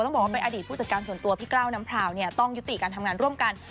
ต้องบอกว่าเป็นอดีตผู้จัดการส่วนตัวพี่กล้าวน้ำพราวเนี่ยต้องยุติการทำงานร่วมกัน